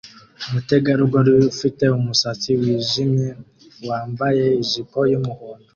Umutegarugori ufite umusatsi wijimye wambaye ijipo yumuhondo